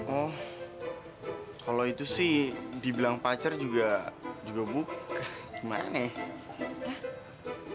oh kalau itu sih dibilang pacar juga bu gimana nih